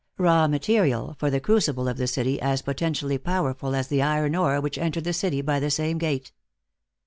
Raw material, for the crucible of the city, as potentially powerful as the iron ore which entered the city by the same gate.